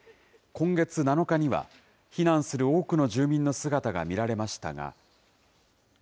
今月７日には、避難する多くの住民の姿が見られましたが。